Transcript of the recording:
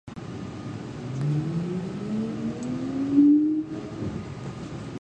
あなたの名前を教えてくれませんか